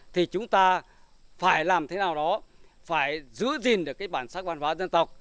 thì chúng ta phải làm thế nào đó phải giữ gìn được cái bản sắc văn hóa dân tộc